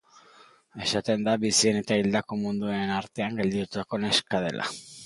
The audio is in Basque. Esaten da bizien eta hildako munduen artean gelditutako neska dela.